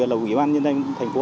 lại hoàn toàn khác